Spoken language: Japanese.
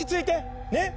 ねっ？